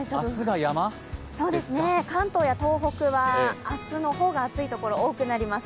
関東や東北は明日の方が暑いところが多くなります。